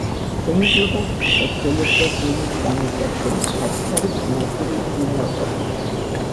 მშენებლობას ახორციელებდა „დონის ნავმისადგომი“ საკუთარი ფინანსური უზრუნველყოფით.